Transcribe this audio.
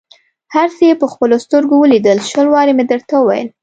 هر څه یې په خپلو سترګو ولیدل، شل وارې مې درته وویل.